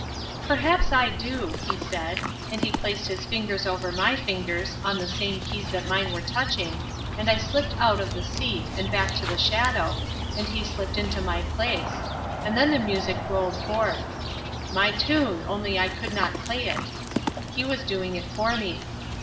'" "'Perhaps I do,' he said, and he placed his fingers over my fingers, on the same keys that mine were touching, and I slipped out of the seat and back into the shadow, and he slipped into my place, and then the music rolled forth. My tune, only I could not play it. He was doing it for me.